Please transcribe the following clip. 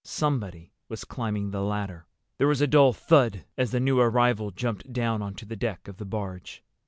Somebody was climbing the ladder. There was a dull thud as the new arrival jumped down onto the deck of the barge.